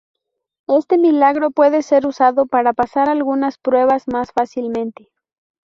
Éste milagro puede ser usado para pasar algunas pruebas más fácilmente.